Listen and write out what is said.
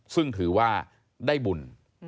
ซึ่งถือว่าได้บุญ